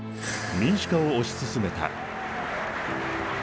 民主化を推し進めた。